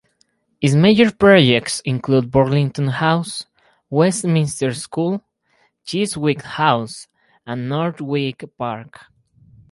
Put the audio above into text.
His major projects include Burlington House, Westminster School, Chiswick House and Northwick Park.